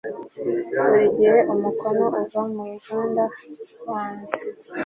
burigihe umunuko uva muruganda wanze